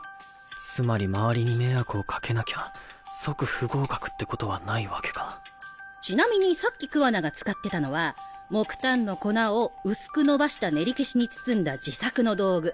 つまり周りに迷惑をかけなきゃちなみにさっき桑名が使ってたのは木炭の粉を薄く伸ばした練り消しに包んだ自作の道具。